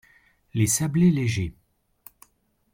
Les sablés légers.